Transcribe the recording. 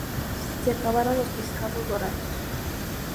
Se acabaron los pescados dorados.